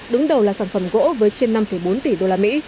đứng đầu là sản phẩm gỗ với trên năm bốn tỷ đô la mỹ